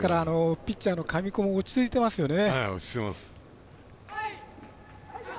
ピッチャーの神子も落ち着いていますよね。